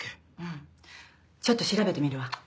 ちょっと調べてみるわ。